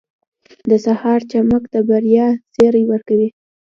• د سهار چمک د بریا زیری ورکوي.